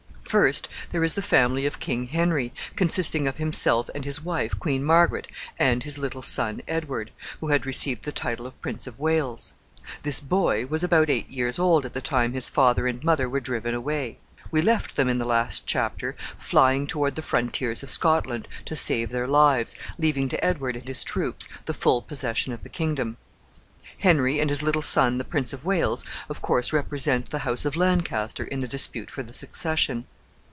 First, there is the family of King Henry, consisting of himself and his wife, Queen Margaret, and his little son Edward, who had received the title of Prince of Wales. This boy was about eight years old at the time his father and mother were driven away. We left them, in the last chapter, flying toward the frontiers of Scotland to save their lives, leaving to Edward and his troops the full possession of the kingdom. Henry and his little son, the Prince of Wales, of course represent the house of Lancaster in the dispute for the succession.